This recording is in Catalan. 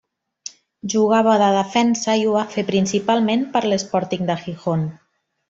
Jugava de defensa, i ho va fer principalment per l'Sporting de Gijón.